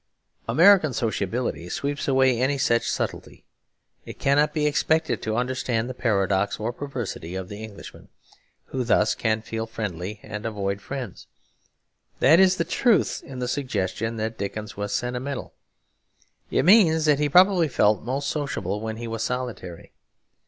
American sociability sweeps away any such subtlety. It cannot be expected to understand the paradox or perversity of the Englishman, who thus can feel friendly and avoid friends. That is the truth in the suggestion that Dickens was sentimental. It means that he probably felt most sociable when he was solitary.